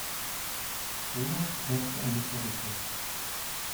Olaf trägt eine Perücke.